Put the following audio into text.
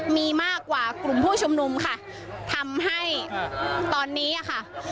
มีมากกว่ากลุ่มผู้ชุมนุมค่ะทำให้ตอนนี้ค่ะ